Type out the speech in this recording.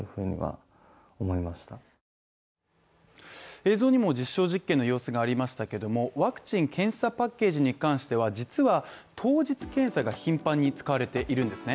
映像にも実証実験の様子がありましたけれども、ワクチン検査パッケージに関しては実は当日検査が頻繁に使われているんですね。